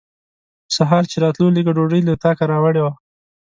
سهار چې راتلو لږه ډوډۍ له اطاقه راوړې وه.